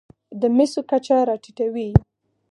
د مسو کچه راټېته وي.